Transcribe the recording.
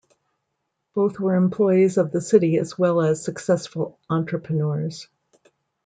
Both were employees of the city as well as successful entrepreneurs.